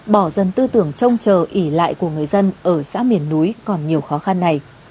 bỏ dần tư tưởng trông chờ ỉ lại của người dân ở xã miền núi còn nhiều khó khăn